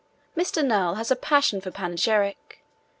Mr. Noel has a passion for panegyric.